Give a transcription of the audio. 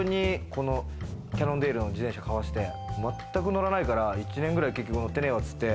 昔、斉藤にこのキャノンデールの自転車買わせて、まったく乗らないから１年ぐらい乗ってねえわっつって。